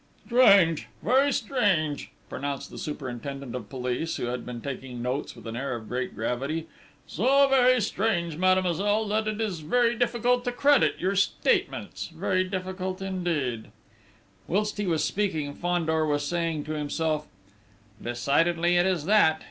"Strange, very strange!" pronounced the superintendent of police, who had been taking notes with an air of great gravity. "So very strange, mademoiselle, that it is very difficult to credit your statements!... very difficult indeed!..." Whilst he was speaking, Fandor was saying to himself: "Decidedly, it is that!...